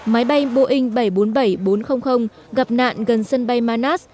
máy bay boeing bảy trăm bốn mươi bảy bốn trăm linh gặp nạn gần sân bay manas